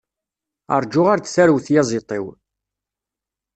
Ṛǧu ar d tarew tyaziḍt-iw!